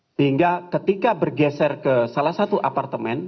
sehingga ketika bergeser ke salah satu apartemen